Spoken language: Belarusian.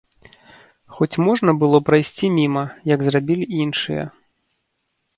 Хоць можна было прайсці міма, як зрабілі іншыя.